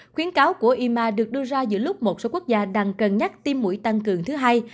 khuyến cáo của yma được đưa ra giữa lúc một số quốc gia đang cân nhắc tim mũi tăng cường thứ hai